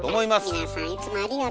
皆さんいつもありがとう。